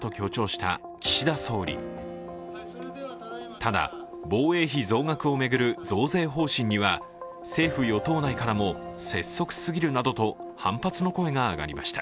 ただ、防衛費増額を巡る増税方針には政府・与党内からも拙速すぎるなどと反発の声が上がりました。